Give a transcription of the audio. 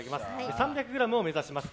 ３００ｇを目指します。